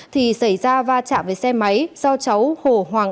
thì xảy ra va chạm với xe máy do cháu hồ hoàng